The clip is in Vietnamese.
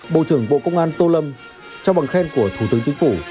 bộ trưởng bộ công an tô lâm cho bằng khen của thủ tướng chính phủ